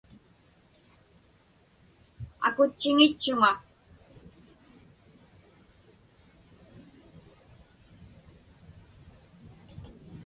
Akutchiŋitchuŋa.